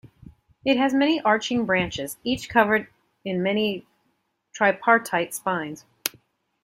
It has many arching branches, each covered in many tripartite spines.